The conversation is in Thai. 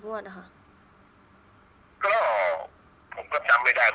คุณพ่อได้จดหมายมาที่บ้าน